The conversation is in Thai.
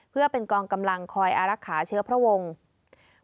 เพื่อเป็นกองกำลังคอยอารักษาเชื้อพระวงศ์